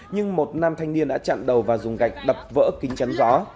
nhưng một nam thanh niên đã chặn đầu và dùng gạch đập vỡ kính chắn gió